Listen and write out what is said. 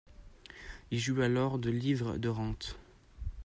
Il jouit alors de livres de rente.